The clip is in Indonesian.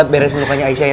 beresin rupanya aisyah ya